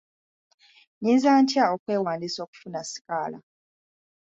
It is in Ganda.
Nyinza ntya okwewandiisa okufuna sikaala?